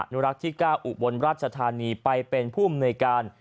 อนุรักษ์ที่ก้าอุบลรัชธานีไปเป็นภูมิในการ